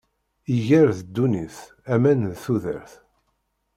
Iger d ddunit, aman d tudert.